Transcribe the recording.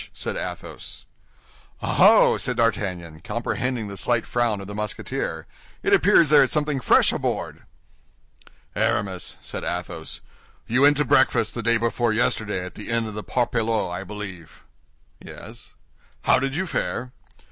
said Athos. "Oh, oh!" said D'Artagnan, comprehending the slight frown of the Musketeer. "It appears there is something fresh aboard." "Aramis," said Athos, "you went to breakfast the day before yesterday at the inn of the Parpaillot, I believe?" "Yes." "How did you fare?"